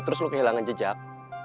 terus lo kehilangan jejak